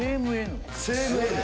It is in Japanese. セームＮ。